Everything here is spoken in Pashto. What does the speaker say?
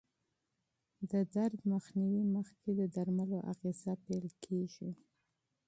د درد مخنیوي مخکې د درملو اغېزه پېل کېږي.